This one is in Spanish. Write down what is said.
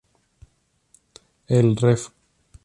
El Rev.